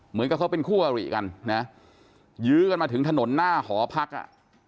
เหมือนกับเขาเป็นคู่อริกันนะยื้อกันมาถึงถนนหน้าหอพักอ่ะ